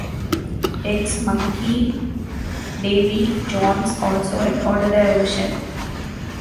Ex-Monkee Davy Jones also recorded a version.